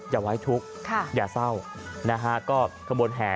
อย่าเอาไว้ทุกข์อย่าเศร้า